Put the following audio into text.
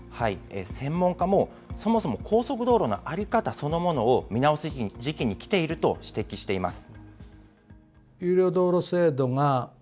専門家もそもそも高速道路の在り方そのものを見直す時期にきていると指摘しています。